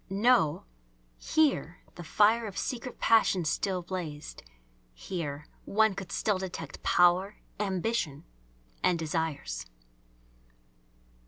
No; here the fire of secret passions still blazed; here one could still detect power, ambition, and desires.